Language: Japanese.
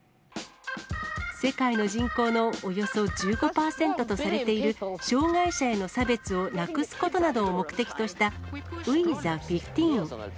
世界の人口のおよそ１５％とされている、障がい者への差別をなくすことなどを目的とした、ウィ・ザ・１５。